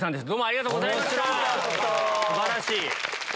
素晴らしい！